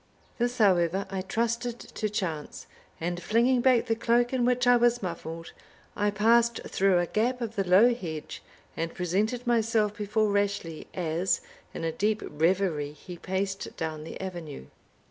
This, however, I trusted to chance; and flinging back the cloak in which I was muffled, I passed through a gap of the low hedge, and presented myself before Rashleigh, as, in a deep reverie, he paced down the avenue.